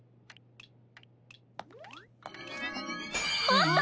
あった！